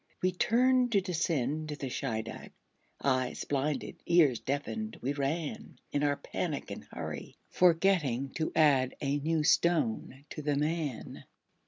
We turned to descend to the Scheideck, Eyes blinded, ears deafened, we ran, In our panic and hurry, forgetting To add a new stone to the man.